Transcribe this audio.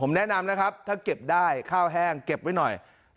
แนะนำนะครับถ้าเก็บได้ข้าวแห้งเก็บไว้หน่อย